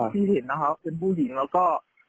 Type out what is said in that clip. ที่เห็นนะคะเป็นผู้หญิงแล้วก็